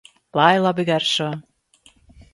Lai labi garšo!